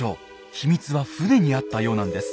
秘密は船にあったようなんです。